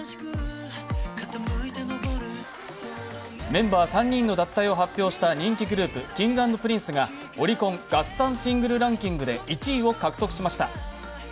メンバー３人の脱退を発表した人気グループＫｉｎｇ＆Ｐｒｉｎｃｅがオリコン合算シングルランキングで１位を獲得しました。